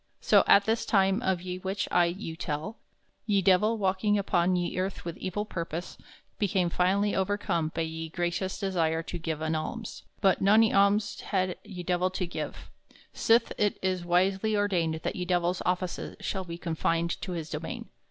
So at this time of ye which I you tell, ye Divell, walking upon ye earth with evill purpose, became finally overcome by ye gracious desire to give an alms; but nony alms had ye Divell to give, sith it is wisely ordained that ye Divell's offices shall be confined to his domain.